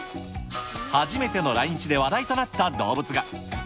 初めての来日で話題となった動物が。